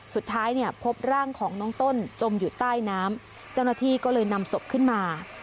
สุดท้ายเนี่ยพบร่างของน้องต้นจมอยู่ใต้น้ำเจ้าหน้าที่ก็เลยนำศพขึ้นมา